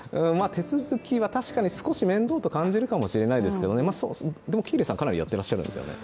手続きは確かに少し面倒と感じるかもしれませんけれども、でも喜入さん、かなりやっていらっしゃるんですよね？